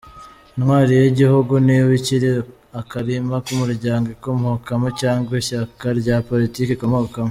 Intwari y’igihugu ntiba ikiri akarima k’umuryango ikomokamo, cyangwa ishyaka rya politiki ikomokamo.